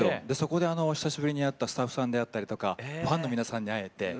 でそこで久しぶりに会ったスタッフさんであったりとかファンの皆さんに会えて。